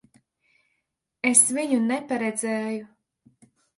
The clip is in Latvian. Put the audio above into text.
Es viņu neparedzēju.